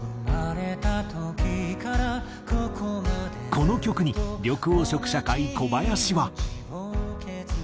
この曲に緑黄色社会小林は。